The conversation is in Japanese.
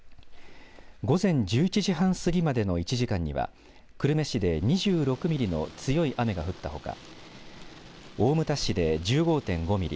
午前１１時半過ぎまでの１時間には久留米市で２６ミリの強い雨が降ったほか大牟田市で１５．５ミリ